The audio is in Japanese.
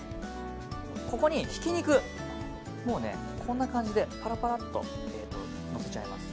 ここにひき肉、こんな感じでパラパラッとのせちゃいます。